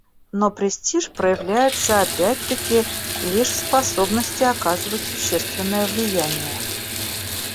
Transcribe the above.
Но престиж проявляется опять-таки лишь в способности оказывать существенное влияние.